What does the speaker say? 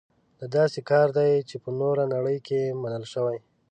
دا داسې کار دی چې په نوره نړۍ کې منل شوی.